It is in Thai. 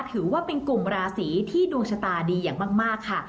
ถือว่าเป็นกลุ่มราศีที่ดวงชะตาดีอย่างมากค่ะ